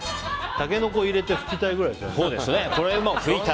タケノコ入れて吹きたいくらいですね。